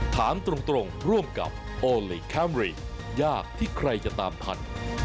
ถามตรงร่วมกับโอลี่คัมรี่ยากที่ใครจะตามทัน